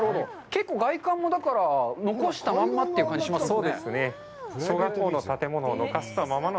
結構外観も、だから残したままという感じがしますよね。